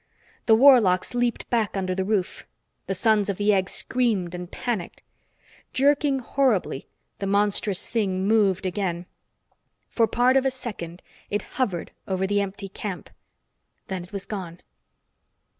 The warlocks leaped back under the roof. The Sons of the Egg screamed and panicked. Jerking horribly, the monstrous thing moved again. For part of a second, it hovered over the empty camp. Then it was gone.